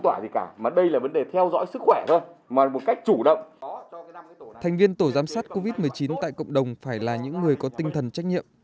thành viên tổ giám sát covid một mươi chín tại cộng đồng phải là những người có tinh thần trách nhiệm